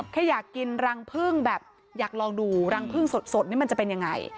แค่อยากกินรังพึ่งแบบอยากลองดูรังพึ่งสดนี่มันจะเป็นยังไง